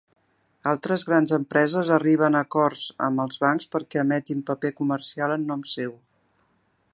Altres grans empreses arriben a acords amb els bancs perquè emetin paper comercial en nom seu.